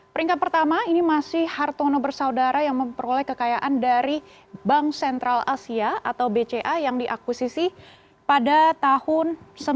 peringkat pertama ini masih hartono bersaudara yang memperoleh kekayaan dari bank sentral asia atau bca yang diakusisi pada tahun seribu sembilan ratus sembilan puluh